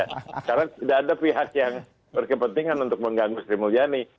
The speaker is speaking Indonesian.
karena tidak ada pihak yang berkepentingan untuk mengganggu sri mulyani